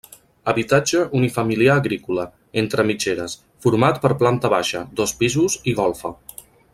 Habitatge unifamiliar agrícola, entre mitgeres, format per planta baixa, dos pisos i golfa.